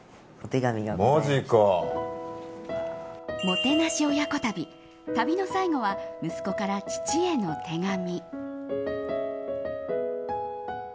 もてなし親子旅旅の最後は息子から父への手紙。